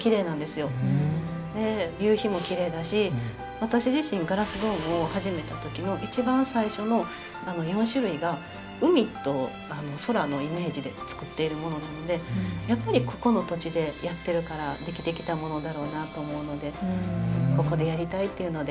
私自身ガラスドームを始めた時の一番最初の４種類が海と空のイメージで作っているものなのでやっぱりここの土地でやってるからできてきたものだろうなと思うのでここでやりたいっていうので。